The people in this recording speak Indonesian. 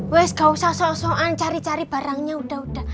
west gak usah so soan cari cari barangnya udah udah